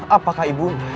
apakah ibu anda